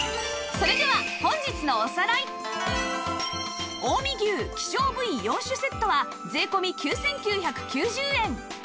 それでは近江牛希少部位４種セットは税込９９９０円